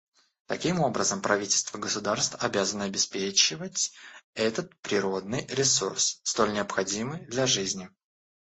Таким образом, правительства государств обязаны обеспечивать этот природный ресурс, столь необходимый для жизни.